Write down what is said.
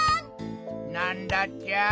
なんだっちゃ？